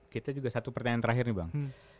kita juga satu pertanyaan terakhir nih bang